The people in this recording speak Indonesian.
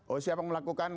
oh siapa yang melakukan